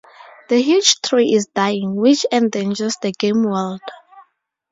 The huge tree is dying, which endangers the game world.